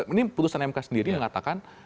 ini putusan mk sendiri mengatakan